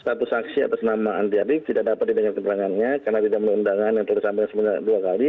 satu saksi atas nama anti abik tidak dapat didengar keberangannya karena tidak menundangan yang telah disampaikan sebelumnya dua kali